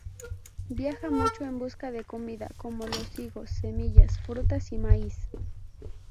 Viaja mucho en busca de comida como los higos, semillas, frutas y maíz.